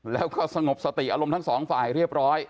แล้วก็สงบสติอารมณ์ทั้งสองฝ่ายเรียบร้อย